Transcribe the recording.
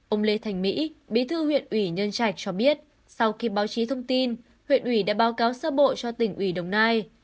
ông lê thành mỹ bí thư huyện ủy nhân trạch cho biết sau khi báo chí thông tin huyện ủy đã báo cáo sơ bộ cho tỉnh ủy đồng nai